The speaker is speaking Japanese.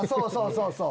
そうそう！